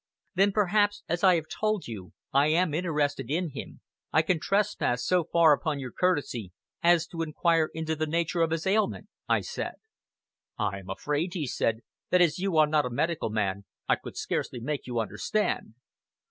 "Then perhaps as I have told you I am interested in him, I can trespass so far upon your courtesy as to inquire into the nature of his ailment," I said. "I am afraid," he said, "that as you are not a medical man, I could scarcely make you understand."